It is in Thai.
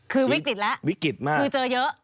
คือวิกฤตแล้วคือเจอเยอะวิกฤตมาก